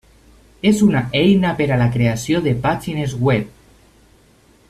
És una eina per a la creació de pàgines web.